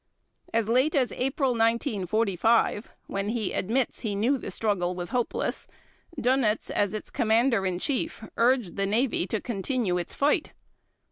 As late as April 1945, when he admits he knew the struggle was hopeless, Dönitz as its Commander in Chief urged the Navy to continue its fight.